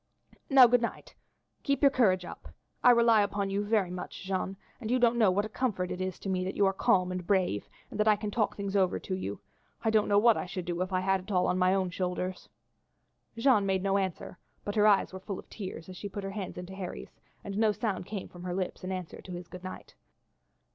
Now, good night; keep your courage up. I rely very much upon you, Jeanne, and you don't know what a comfort it is to me that you are calm and brave, and that I can talk things over to you. I don't know what I should do if I had it all on my own shoulders." Jeanne made no answer, but her eyes were full of tears as she put her hands into Harry's, and no sound came from her lips in answer to his good night.